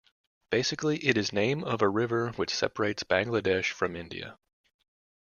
Basically it is name of a river which separates Bangladesh from India.